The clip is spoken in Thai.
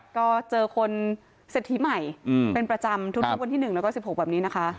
ก็เจอคนเศรษฐีใหม่อืมเป็นประจำทุนทุกวันที่หนึ่งแล้วก็สิบหกแบบนี้นะคะ